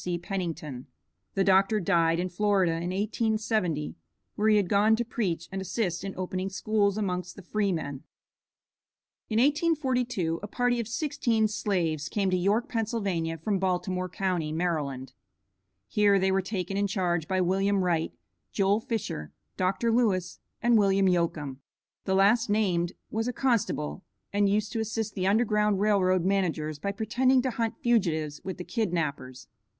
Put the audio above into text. C. Pennington." The Dr. died in Florida, in 1870, where he had gone to preach and assist in opening schools amongst the Freemen. In 1842 a party of sixteen slaves came to York, Pa., from Baltimore county, Md. Here they were taken in charge by William Wright, Joel Fisher, Dr. Lewis, and William Yocum. The last named was a constable, and used to assist the Underground Rail Road managers by pretending to hunt fugitives with the kidnappers.